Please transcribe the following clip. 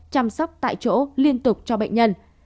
chăm sóc tại chỗ liên tục cho bệnh nhân